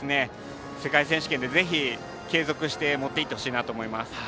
世界選手権でぜひ継続して持っていってほしいと思います。